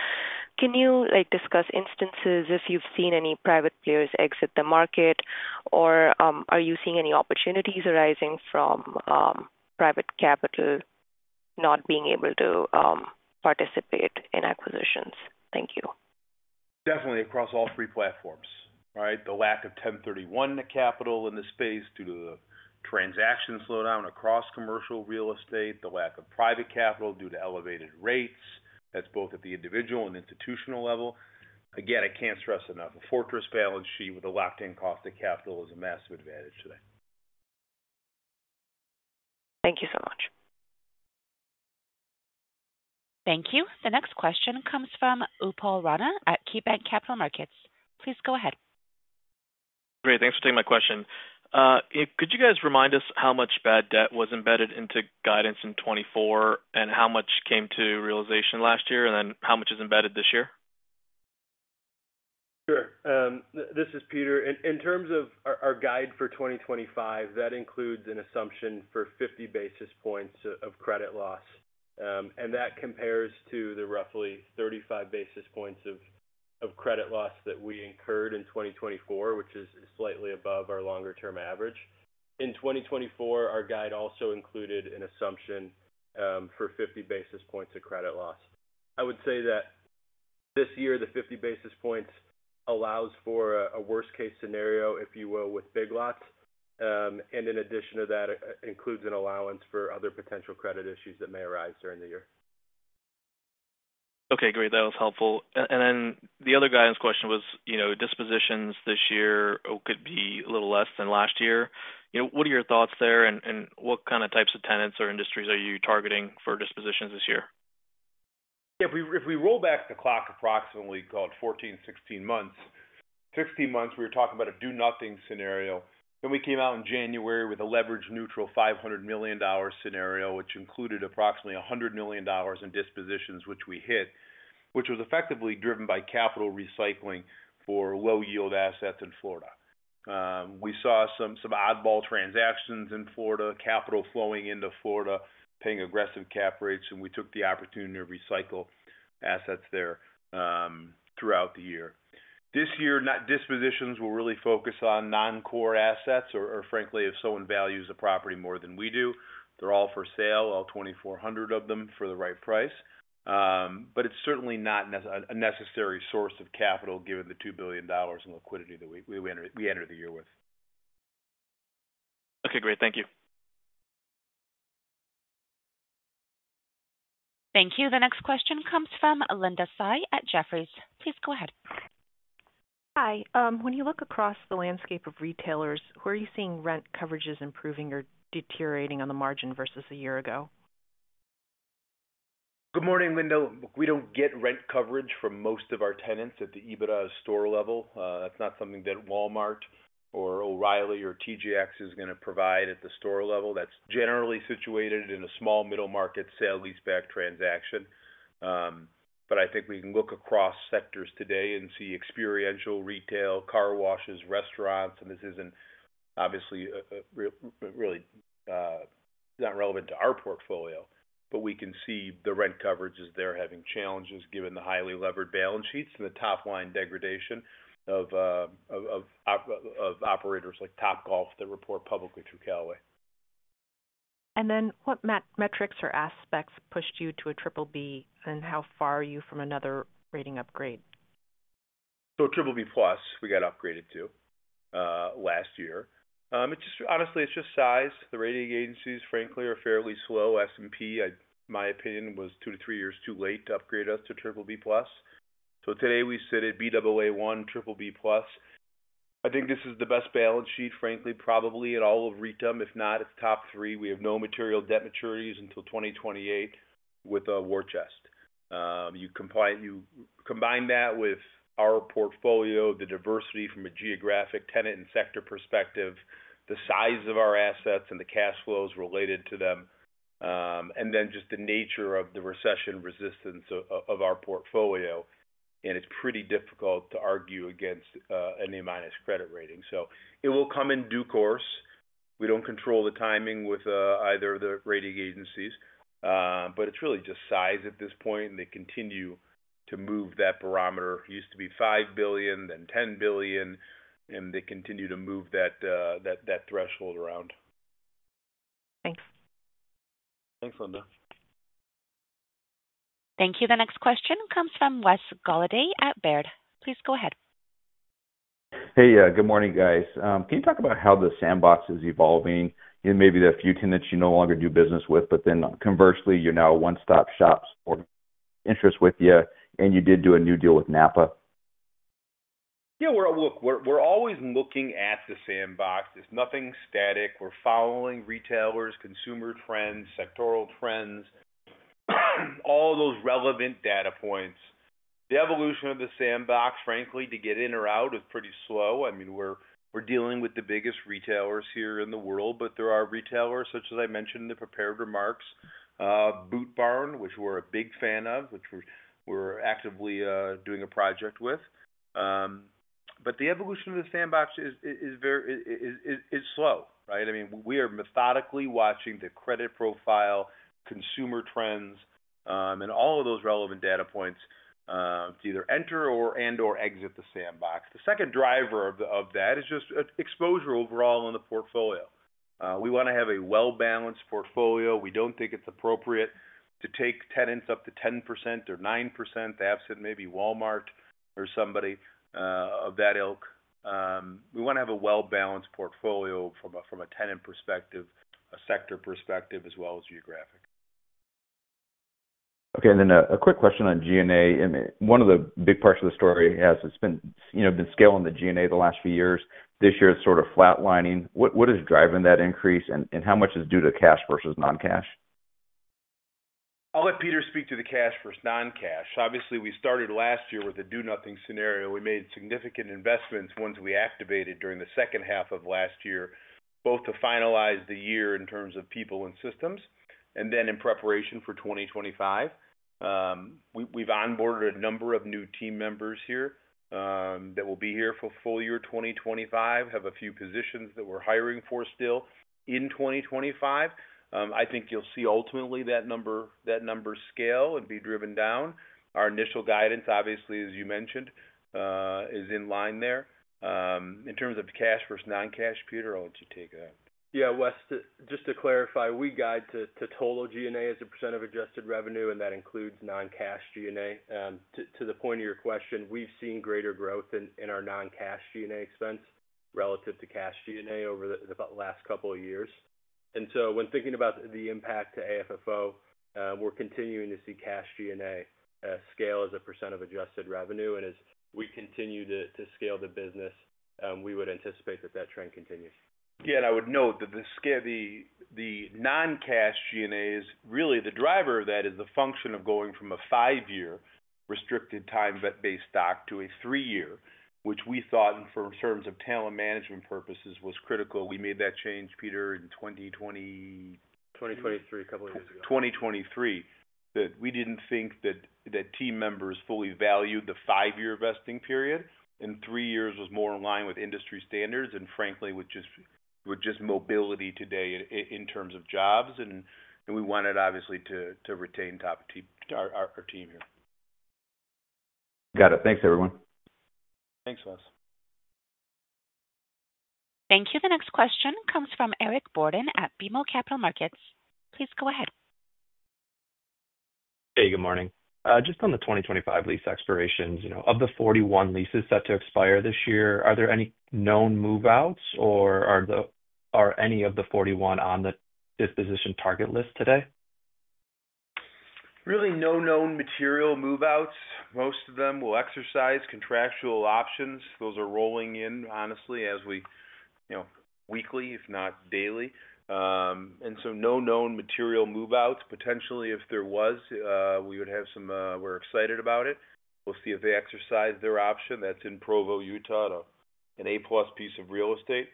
Can you discuss instances if you've seen any private players exit the market, or are you seeing any opportunities arising from private capital not being able to participate in acquisitions? Thank you. Definitely across all three platforms, right? The lack of 1031 capital in the space due to the transaction slowdown across commercial real estate, the lack of private capital due to elevated rates. That's both at the individual and institutional level. Again, I can't stress enough, a fortress balance sheet with a locked-in cost of capital is a massive advantage today. Thank you so much. Thank you. The next question comes from Upal Rana at KeyBanc Capital Markets. Please go ahead. Great. Thanks for taking my question. Could you guys remind us how much bad debt was embedded into guidance in 2024 and how much came to realization last year, and then how much is embedded this year? Sure. This is Peter. In terms of our guide for 2025, that includes an assumption for 50 basis points of credit loss. That compares to the roughly 35 basis points of credit loss that we incurred in 2024, which is slightly above our longer-term average. In 2024, our guide also included an assumption for 50 basis points of credit loss. I would say that this year, the 50 basis points allows for a worst-case scenario, if you will, with Big Lots. In addition to that, it includes an allowance for other potential credit issues that may arise during the year. Okay. Great. That was helpful, and then the other guidance question was dispositions this year could be a little less than last year. What are your thoughts there, and what kind of types of tenants or industries are you targeting for dispositions this year? Yeah. If we roll back the clock to approximately 14, 16 months, 16 months, we were talking about a do-nothing scenario. Then we came out in January with a leverage-neutral $500 million scenario, which included approximately $100 million in dispositions, which we hit, which was effectively driven by capital recycling for low-yield assets in Florida. We saw some oddball transactions in Florida, capital flowing into Florida, paying aggressive cap rates. And we took the opportunity to recycle assets there throughout the year. This year, dispositions will really focus on non-core assets, or frankly, if someone values a property more than we do. They're all for sale, all 2,400 of them for the right price. But it's certainly not a necessary source of capital, given the $2 billion in liquidity that we entered the year with. Okay. Great. Thank you. Thank you. The next question comes from Linda Tsai at Jefferies. Please go ahead. Hi. When you look across the landscape of retailers, where are you seeing rent coverages improving or deteriorating on the margin versus a year ago? Good morning, Linda. We don't get rent coverage for most of our tenants at the EBITDA store level. That's not something that Walmart or O'Reilly or TJX is going to provide at the store level. That's generally situated in a small middle-market sale lease back transaction. But I think we can look across sectors today and see experiential retail, car washes, restaurants. And this isn't obviously really not relevant to our portfolio, but we can see the rent coverages there having challenges given the highly levered balance sheets and the top-line degradation of operators like Topgolf that report publicly through Callaway. What metrics or aspects pushed you to a BBB, and how far are you from another rating upgrade? BBB Plus, we got upgraded to last year. Honestly, it's just size. The rating agencies, frankly, are fairly slow. S&P, in my opinion, was two to three years too late to upgrade us to BBB Plus. Today we sit at Baa1, BBB Plus. I think this is the best balance sheet, frankly, probably at all of REITdom. If not, it's top three. We have no material debt maturities until 2028 with a war chest. You combine that with our portfolio, the diversity from a geographic tenant and sector perspective, the size of our assets and the cash flows related to them, and then just the nature of the recession resistance of our portfolio. It's pretty difficult to argue against an A-minus credit rating. It will come in due course. We don't control the timing with either of the rating agencies, but it's really just size at this point, and they continue to move that barometer. It used to be five billion, then 10 billion, and they continue to move that threshold around. Thanks. Thanks, Linda. Thank you. The next question comes from Wes Golladay at Baird. Please go ahead. Hey, good morning, guys. Can you talk about how the sandbox is evolving in maybe the few tenants you no longer do business with, but then conversely, you're now one-stop shop for interest with you, and you did do a new deal with NAPA? Yeah. We're always looking at the sandbox. It's nothing static. We're following retailers, consumer trends, sectoral trends, all those relevant data points. The evolution of the sandbox, frankly, to get in or out is pretty slow. I mean, we're dealing with the biggest retailers here in the world, but there are retailers, such as I mentioned in the prepared remarks, Boot Barn, which we're a big fan of, which we're actively doing a project with. But the evolution of the sandbox is slow, right? I mean, we are methodically watching the credit profile, consumer trends, and all of those relevant data points to either enter and/or exit the sandbox. The second driver of that is just exposure overall in the portfolio. We want to have a well-balanced portfolio. We don't think it's appropriate to take tenants up to 10% or 9%, absent maybe Walmart or somebody of that ilk. We want to have a well-balanced portfolio from a tenant perspective, a sector perspective, as well as geographic. Okay. And then a quick question on G&A. One of the big parts of the story has been scaling the G&A the last few years. This year is sort of flatlining. What is driving that increase, and how much is due to cash versus non-cash? I'll let Peter speak to the cash versus non-cash. Obviously, we started last year with a do-nothing scenario. We made significant investments, ones we activated during the second half of last year, both to finalize the year in terms of people and systems, and then in preparation for 2025. We've onboarded a number of new team members here that will be here for full year 2025. We have a few positions that we're hiring for still in 2025. I think you'll see ultimately that number scale and be driven down. Our initial guidance, obviously, as you mentioned, is in line there. In terms of cash versus non-cash, Peter, I'll let you take that. Yeah. Wes, just to clarify, we guide to total G&A as a % of adjusted revenue, and that includes non-cash G&A. To the point of your question, we've seen greater growth in our non-cash G&A expense relative to cash G&A over the last couple of years. And so when thinking about the impact to AFFO, we're continuing to see cash G&A scale as a % of adjusted revenue. And as we continue to scale the business, we would anticipate that that trend continues. Again, I would note that the non-cash G&A is really the driver of that is the function of going from a five-year restricted time-based stock to a three-year, which we thought in terms of talent management purposes was critical. We made that change, Peter, in 2020. 2023, a couple of years ago. 2023. We didn't think that team members fully valued the five-year vesting period, and three years was more in line with industry standards and, frankly, with just mobility today in terms of jobs. And we wanted, obviously, to retain our team here. Got it. Thanks, everyone. Thanks, Wes. Thank you. The next question comes from Eric Borden at BMO Capital Markets. Please go ahead. Hey, good morning. Just on the 2025 lease expirations, of the 41 leases set to expire this year, are there any known move-outs, or are any of the 41 on the disposition target list today? Really no known material move-outs. Most of them will exercise contractual options. Those are rolling in, honestly, as we weekly, if not daily. And so no known material move-outs. Potentially, if there was, we would have some we're excited about it. We'll see if they exercise their option. That's in Provo, Utah, an A-plus piece of real estate.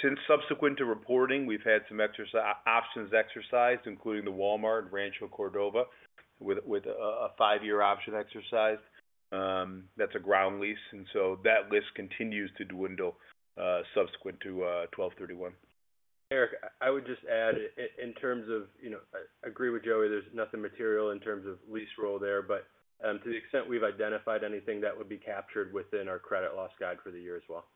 Since subsequent to reporting, we've had some options exercised, including the Walmart and Rancho Cordova with a five-year option exercised. That's a ground lease. And so that list continues to dwindle subsequent to 12/31. Eric, I would just add, in terms of I agree with Joey. There's nothing material in terms of lease roll there, but to the extent we've identified anything, that would be captured within our credit loss guide for the year as well.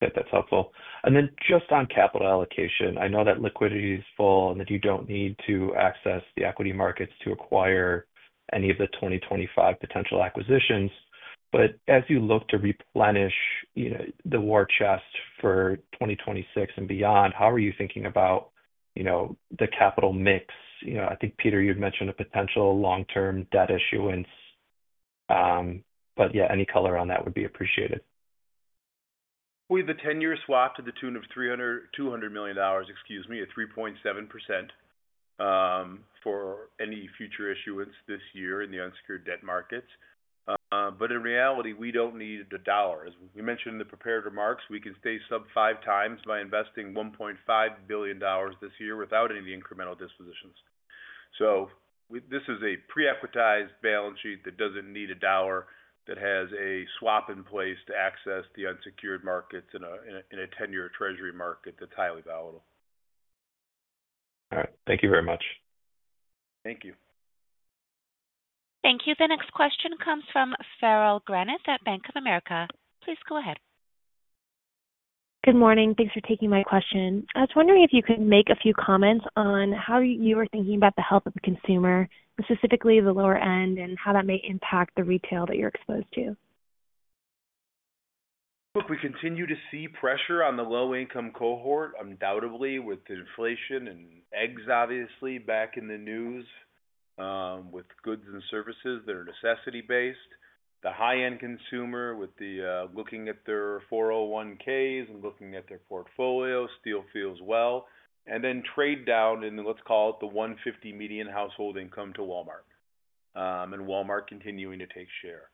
That's helpful. And then just on capital allocation, I know that liquidity is full and that you don't need to access the equity markets to acquire any of the 2025 potential acquisitions. But as you look to replenish the war chest for 2026 and beyond, how are you thinking about the capital mix? I think, Peter, you'd mentioned a potential long-term debt issuance. But yeah, any color on that would be appreciated. With a 10-year swap to the tune of $200 million, excuse me, at 3.7% for any future issuance this year in the unsecured debt markets. But in reality, we don't need a dollar. As we mentioned in the prepared remarks, we can stay sub five times by investing $1.5 billion this year without any incremental dispositions. So this is a pre-equitized balance sheet that doesn't need a dollar that has a swap in place to access the unsecured markets in a 10-year treasury market that's highly volatile. All right. Thank you very much. Thank you. Thank you. The next question comes from Farrell Granath at Bank of America. Please go ahead. Good morning. Thanks for taking my question. I was wondering if you could make a few comments on how you are thinking about the health of the consumer, specifically the lower end, and how that may impact the retail that you're exposed to. Look, we continue to see pressure on the low-income cohort, undoubtedly, with inflation and eggs, obviously, back in the news, with goods and services that are necessity-based. The high-end consumer, with looking at their 401(k)s and looking at their portfolio, still feels well, and then trade down in, let's call it the 150 median household income to Walmart, and Walmart continuing to take share,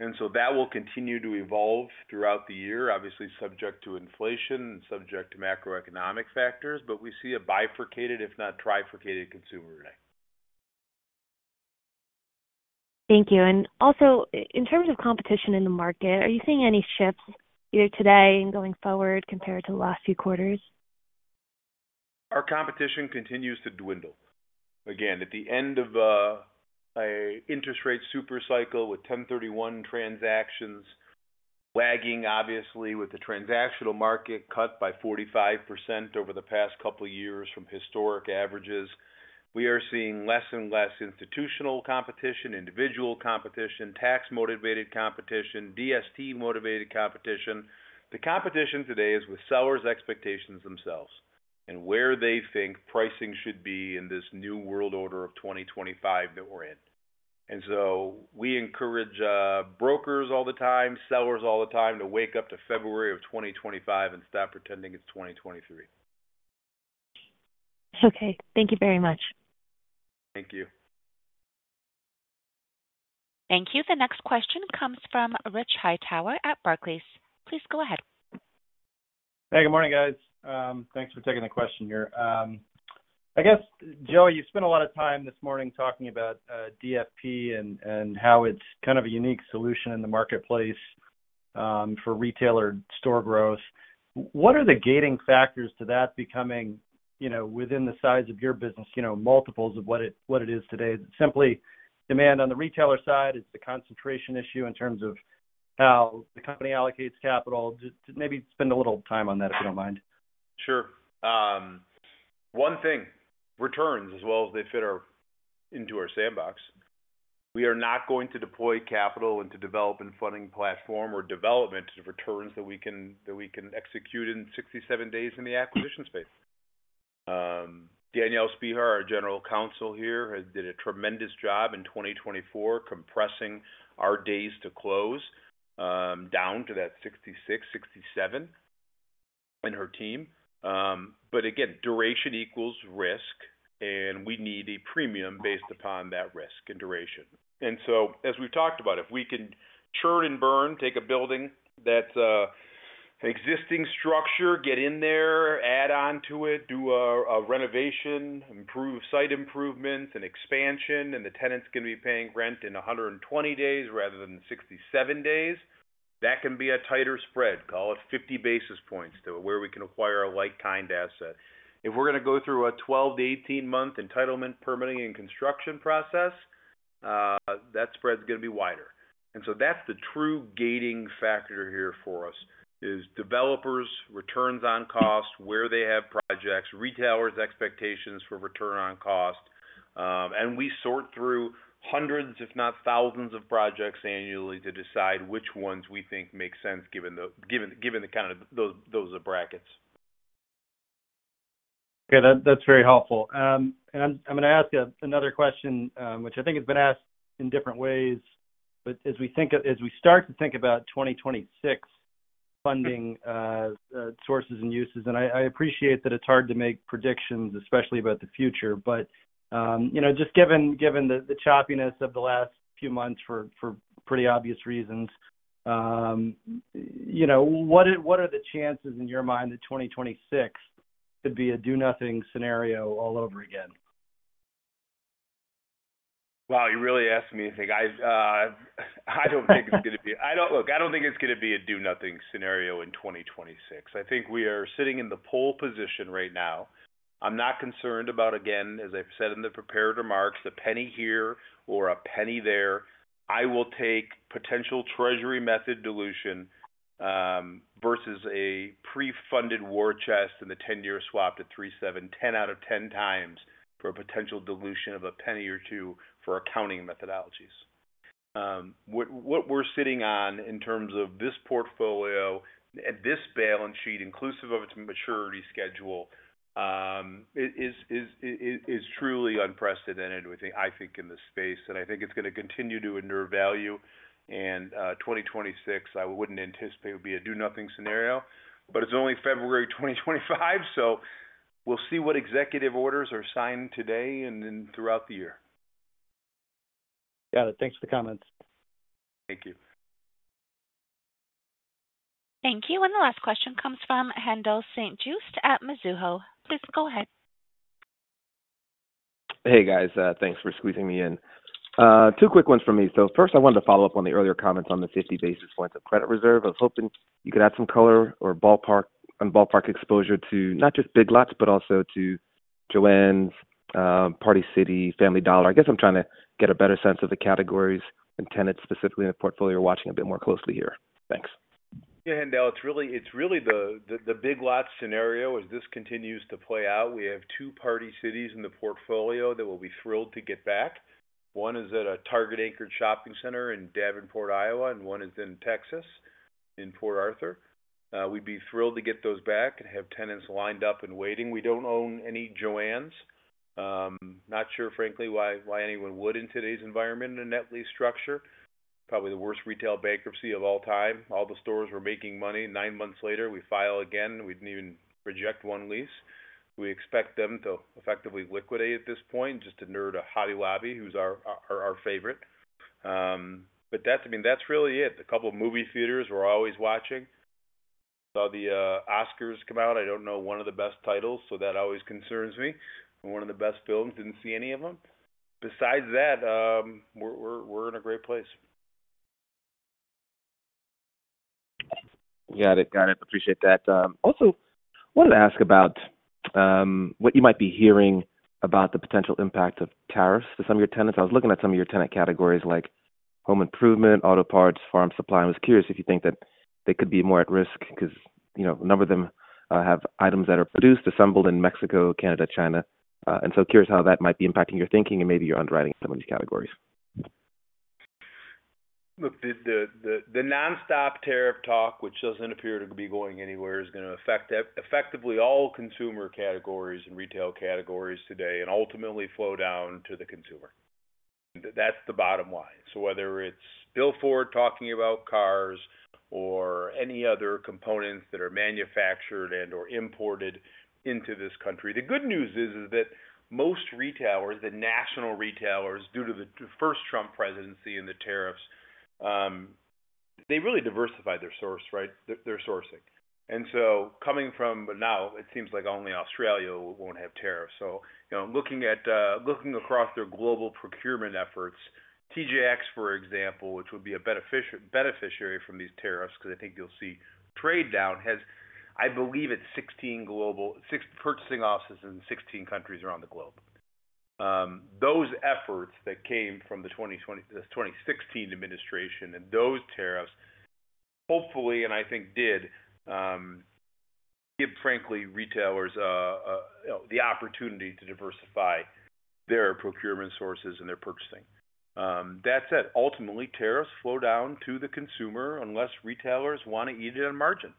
and so that will continue to evolve throughout the year, obviously subject to inflation and subject to macroeconomic factors, but we see a bifurcated, if not trifurcated consumer ready. Thank you. And also, in terms of competition in the market, are you seeing any shifts either today and going forward compared to the last few quarters? Our competition continues to dwindle. Again, at the end of an interest rate supercycle with 1031 transactions lagging, obviously, with the transactional market cut by 45% over the past couple of years from historic averages, we are seeing less and less institutional competition, individual competition, tax-motivated competition, DST-motivated competition. The competition today is with sellers' expectations themselves and where they think pricing should be in this new world order of 2025 that we're in, and so we encourage brokers all the time, sellers all the time, to wake up to February of 2025 and stop pretending it's 2023. Okay. Thank you very much. Thank you. Thank you. The next question comes from Rich Hightower at Barclays. Please go ahead. Hey, good morning, guys. Thanks for taking the question here. I guess, Joey, you spent a lot of time this morning talking about DFP and how it's kind of a unique solution in the marketplace for retailer store growth. What are the gating factors to that becoming within the size of your business, multiples of what it is today? Simply demand on the retailer side is the concentration issue in terms of how the company allocates capital. Maybe spend a little time on that, if you don't mind. Sure. One thing, returns as well as they fit into our sandbox. We are not going to deploy capital into development funding platform or development returns that we can execute in 67 days in the acquisition space. Danielle Spehar, our General Counsel here, did a tremendous job in 2024, compressing our days to close down to that 66, 67, and her team, but again, duration equals risk, and we need a premium based upon that risk and duration. And so, as we've talked about, if we can churn and burn, take a building that's an existing structure, get in there, add on to it, do a renovation, improve site improvements and expansion, and the tenant's going to be paying rent in 120 days rather than 67 days, that can be a tighter spread. Call it 50 basis points to where we can acquire a like-kind asset. If we're going to go through a 12- to 18-month entitlement permitting and construction process, that spread's going to be wider. And so that's the true gating factor here for us: developers' returns on cost, where they have projects, retailers' expectations for return on cost. And we sort through hundreds, if not thousands, of projects annually to decide which ones we think make sense given the kind of those brackets. Okay. That's very helpful, and I'm going to ask another question, which I think has been asked in different ways, but as we start to think about 2026 funding sources and uses, and I appreciate that it's hard to make predictions, especially about the future, but just given the choppiness of the last few months for pretty obvious reasons, what are the chances in your mind that 2026 could be a do-nothing scenario all over again? Wow, you really asked me anything. I don't think it's going to be a do-nothing scenario in 2026. I think we are sitting in the pole position right now. I'm not concerned about, again, as I've said in the prepared remarks, a penny here or a penny there. I will take potential Treasury stock method dilution versus a pre-funded war chest in the 10-year swap to 3.7, 10 out of 10 times for a potential dilution of a penny or two for accounting methodologies. What we're sitting on in terms of this portfolio and this balance sheet, inclusive of its maturity schedule, is truly unprecedented, I think, in this space, and I think it's going to continue to inure value. 2026, I wouldn't anticipate it would be a do-nothing scenario, but it's only February 2025, so we'll see what executive orders are signed today and then throughout the year. Got it. Thanks for the comments. Thank you. Thank you. And the last question comes from Haendel St. Juste at Mizuho. Please go ahead. Hey, guys. Thanks for squeezing me in. Two quick ones from me. So first, I wanted to follow up on the earlier comments on the 50 basis points of credit reserve. I was hoping you could add some color or ballpark exposure to not just Big Lots, but also to JOANN, Party City, Family Dollar. I guess I'm trying to get a better sense of the categories and tenants specifically in the portfolio, watching a bit more closely here. Thanks. Yeah, Haendel, it's really the Big Lots scenario as this continues to play out. We have two Party Citys in the portfolio that we'll be thrilled to get back. One is at a Target-anchored shopping center in Davenport, Iowa, and one is in Texas in Port Arthur. We'd be thrilled to get those back and have tenants lined up and waiting. We don't own any Joanne's. Not sure, frankly, why anyone would in today's environment in a net lease structure. Probably the worst retail bankruptcy of all time. All the stores were making money. Nine months later, we file again. We didn't even reject one lease. We expect them to effectively liquidate at this point just to net a Hobby Lobby, who's our favorite. But I mean, that's really it. A couple of movie theaters we're always watching. Saw the Oscars come out. I don't know one of the best titles, so that always concerns me. One of the best films, didn't see any of them. Besides that, we're in a great place. Got it. Got it. Appreciate that. Also, wanted to ask about what you might be hearing about the potential impact of tariffs to some of your tenants. I was looking at some of your tenant categories like home improvement, auto parts, farm supply. I was curious if you think that they could be more at risk because a number of them have items that are produced, assembled in Mexico, Canada, China, and so curious how that might be impacting your thinking and maybe your underwriting in some of these categories. Look, the nonstop tariff talk, which doesn't appear to be going anywhere, is going to affect effectively all consumer categories and retail categories today and ultimately flow down to the consumer. That's the bottom line. So whether it's Bill Ford talking about cars or any other components that are manufactured and/or imported into this country. The good news is that most retailers, the national retailers, due to the first Trump presidency and the tariffs, they really diversified their sourcing, right? And so coming from now, it seems like only Australia won't have tariffs. So looking across their global procurement efforts, TJX, for example, which would be a beneficiary from these tariffs because I think you'll see trade down, has I believe it's 16 purchasing offices in 16 countries around the globe. Those efforts that came from the 2016 administration and those tariffs, hopefully, and I think did give, frankly, retailers the opportunity to diversify their procurement sources and their purchasing. That said, ultimately, tariffs flow down to the consumer unless retailers want to eat it at a margin.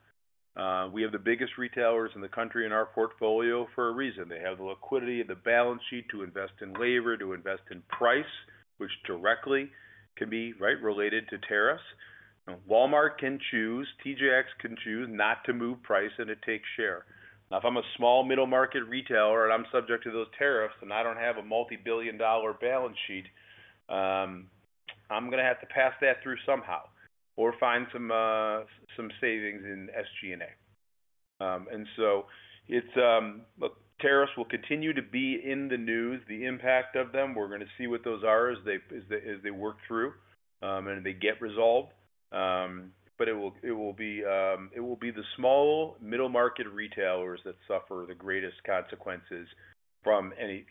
We have the biggest retailers in the country in our portfolio for a reason. They have the liquidity and the balance sheet to invest in labor, to invest in price, which directly can be related to tariffs. Walmart can choose, TJX can choose not to move price and to take share. Now, if I'm a small middle-market retailer and I'm subject to those tariffs and I don't have a multi-billion-dollar balance sheet, I'm going to have to pass that through somehow or find some savings in SG&A. And so look, tariffs will continue to be in the news, the impact of them. We're going to see what those are as they work through and they get resolved. But it will be the small middle-market retailers that suffer the greatest consequences from any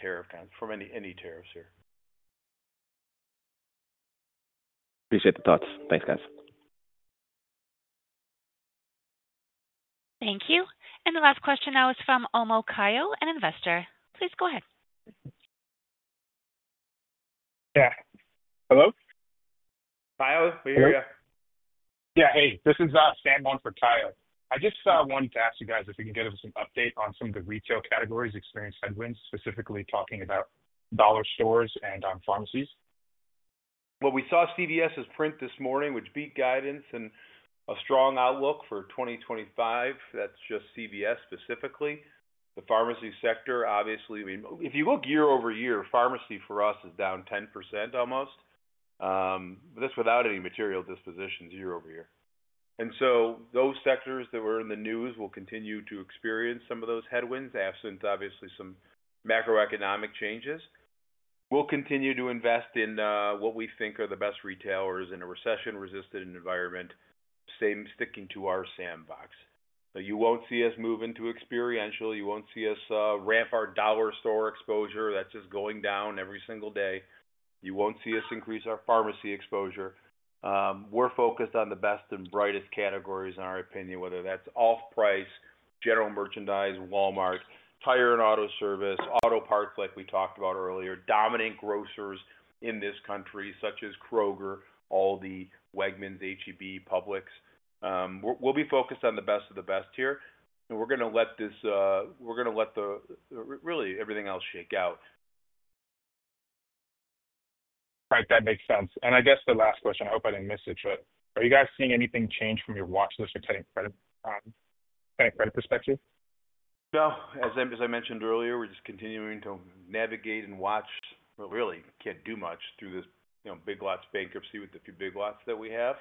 tariff kind, from any tariffs here. Appreciate the thoughts. Thanks, gu Thank you. And the last question now is from Sam Ohm, an investor. Please go ahead. Yeah. Hello? Hi, we hear you. Yeah. Hey. This is Sam Ohm for Kyle. I just wanted to ask you guys if we can get some update on some of the retail categories experienced headwinds, specifically talking about dollar stores and pharmacies. We saw CVS's print this morning, which beat guidance and a strong outlook for 2025. That's just CVS specifically. The pharmacy sector, obviously, if you look year over year, pharmacy for us is down 10% almost, but that's without any material dispositions, year over year, and so those sectors that were in the news will continue to experience some of those headwinds absent, obviously, some macroeconomic changes. We'll continue to invest in what we think are the best retailers in a recession-resistant environment, sticking to our sandbox, so you won't see us move into experiential. You won't see us ramp our dollar store exposure. That's just going down every single day. You won't see us increase our pharmacy exposure. We're focused on the best and brightest categories, in our opinion, whether that's off-price, general merchandise, Walmart, tire and auto service, auto parts, like we talked about earlier, dominant grocers in this country, such as Kroger, Aldi, Wegmans, HEB, Publix. We'll be focused on the best of the best here, and we're going to let really everything else shake out. Right. That makes sense. And I guess the last question, I hope I didn't miss it, but are you guys seeing anything change from your watch list or tenant credit perspective? No. As I mentioned earlier, we're just continuing to navigate and watch. Really can't do much through this Big Lots bankruptcy with the few Big Lots that we have.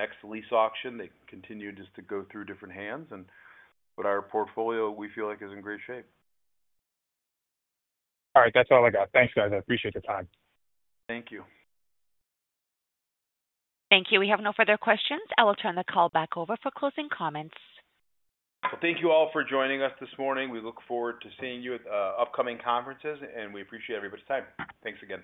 Next lease auction, they continue just to go through different hands. And but our portfolio, we feel like, is in great shape. All right. That's all I got. Thanks, guys. I appreciate the time. Thank you. Thank you. We have no further questions. I will turn the call back over for closing comments. Thank you all for joining us this morning. We look forward to seeing you at upcoming conferences, and we appreciate everybody's time. Thanks again.